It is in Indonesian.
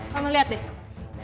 mama lihat deh